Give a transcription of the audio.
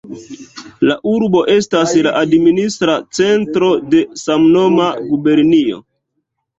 La urbo estas la administra centro de samnoma gubernio.